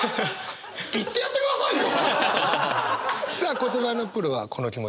言ってやってくださいよ！